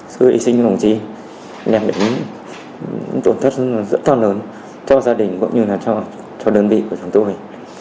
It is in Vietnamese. sư huy sinh đồng chí ném đỉnh tổn thất rất to lớn cho gia đình gọi như là cho đơn vị của chúng tôi